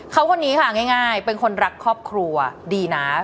เขาคนนี้ค่ะง่ายเป็นคนรักครอบครัวดีนะ